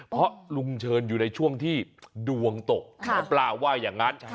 เพราะลุงเชิญอยู่ในช่วงที่ดวงตกหมอปลาว่าอย่างนั้น